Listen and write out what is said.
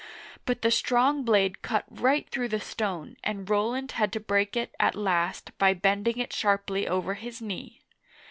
But the strong blade cut right through the stone, and Roland had to break it, at last, by bending it sharply over his knee.